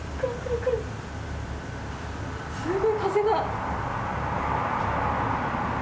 すごい風が。